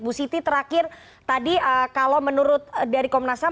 bu siti terakhir tadi kalau menurut dari komnas ham